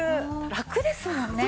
ラクですもんね。